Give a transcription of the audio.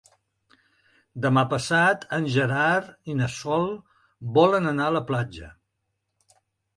Demà passat en Gerard i na Sol volen anar a la platja.